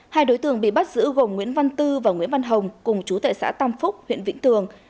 hai đối tượng bị bắt giữ gồm nguyễn văn tư và nguyễn văn hồng cùng chú tại xã tam phúc huyện vĩnh tường